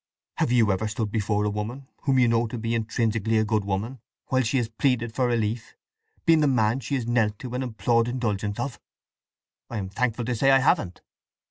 "Have you ever stood before a woman whom you know to be intrinsically a good woman, while she has pleaded for release—been the man she has knelt to and implored indulgence of?" "I am thankful to say I haven't."